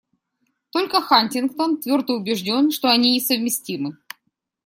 Только Хантингтон твердо убежден, что они несовместимы.